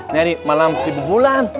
nyari malam seribu bulan